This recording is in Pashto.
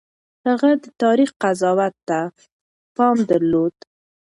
هغه د تاريخ قضاوت ته پام درلود.